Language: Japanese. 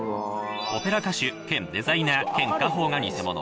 オペラ歌手兼デザイナー兼家宝が偽物。